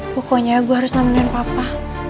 pokoknya gue harus nemenin papa